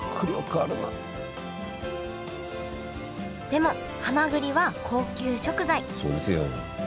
でもはまぐりは高級食材そうですよ。